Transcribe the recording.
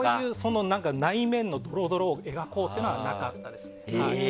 内面のドロドロを描こうというのはなかったですね。